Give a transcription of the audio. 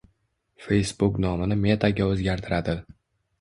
Facebook nomini Meta’ga o‘zgartiradi